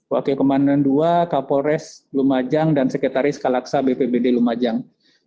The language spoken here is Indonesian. wakil komandan ii kapolres lumajang dan sekretaris kalaksa bpbd lumajang